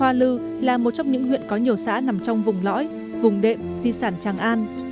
hoa lư là một trong những huyện có nhiều xã nằm trong vùng lõi vùng đệm di sản tràng an